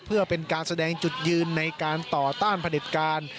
เพื่อเป็นการแสดงจุดยืนในการต่อต้านผลิตการ